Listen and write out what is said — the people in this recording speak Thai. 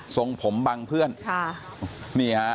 ทรงผมบางเพื่อน